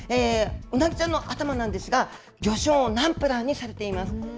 ウナギちゃんの頭なんですが、魚しょう・ナンプラーにされています。